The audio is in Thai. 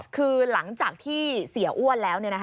คือหลังจากที่เสียอ้วนแล้ว